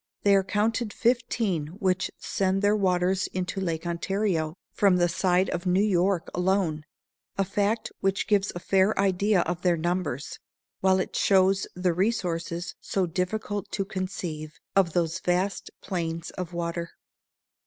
There are counted fifteen which send their waters into Lake Ontario, from the side of New York alone,—a fact which gives a fair idea of their numbers, while it shows the resources, so difficult to conceive, of those vast plains of water.